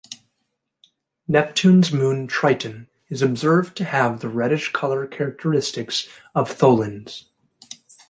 Neptune's moon Triton is observed to have the reddish color characteristic of tholins.